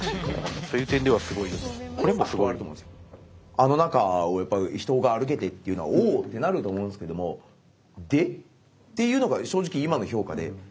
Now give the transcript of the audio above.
あの中をやっぱ人が歩けてっていうのは「おお！」ってなると思うんすけども「で？」っていうのが正直今の評価で。